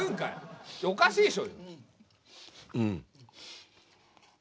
いやおかしいでしょ。